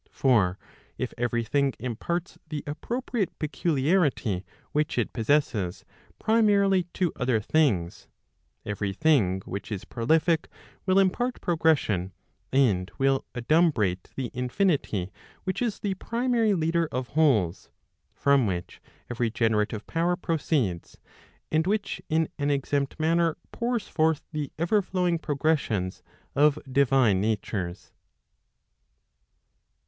For if every thing imparts the appropriate peculiarity which it possesses primarily to other things, every thing which is prolific will impart progression, and will adumbrate the infinity which is the primary leader of wholes, from which every generative power proceeds, and which in an exempt manner pours forth the ever flowing progressions of divine natures.